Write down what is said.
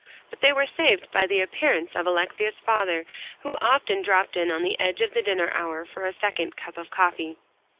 But they were saved by the appearance of Alexia's father, who often dropped in on the edge of the dinner hour, for a second cup of coffee.